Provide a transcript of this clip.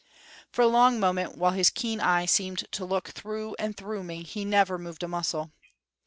For a long moment, while his keen eye seemed to look through and through me, he never moved a muscle.